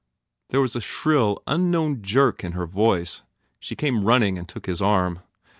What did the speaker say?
There was a shrill, unknown jerk in her voice. She came running and took his arm.